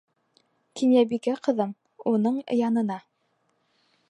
Кинйәбикә ҡыҙым, уның янына.